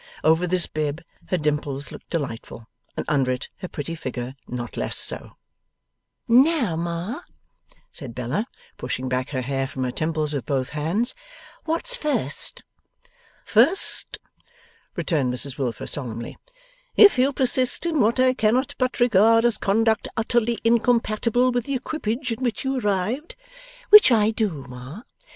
Over this bib her dimples looked delightful, and under it her pretty figure not less so. 'Now, Ma,' said Bella, pushing back her hair from her temples with both hands, 'what's first?' 'First,' returned Mrs Wilfer solemnly, 'if you persist in what I cannot but regard as conduct utterly incompatible with the equipage in which you arrived ' ['Which I do, Ma.